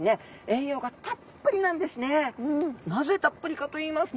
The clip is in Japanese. このなぜたっぷりかと言いますと。